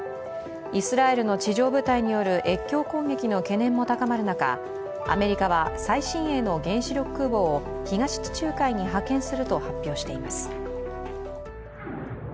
イスラエルの地上部隊による越境攻撃の懸念も高まる中、アメリカは最新鋭の原子力空母を東地中海に派遣すると発表しています。